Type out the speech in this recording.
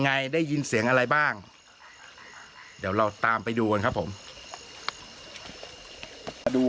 ไงได้ยินเสียงอะไรบ้างเดี๋ยวเราตามไปดูกันครับผมมาดู